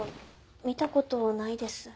見た事ないです。